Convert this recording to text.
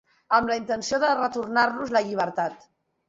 Amb la intenció de retornar-los la llibertat.